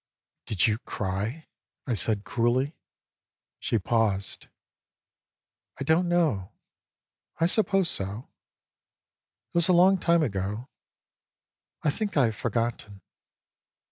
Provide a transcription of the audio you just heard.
"Did you cry?" I said cruelly. She paused. "I don't know. I suppose so. It was a long time ago ; I think I have forgotten."